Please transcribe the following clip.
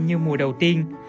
như mùa đầu tiên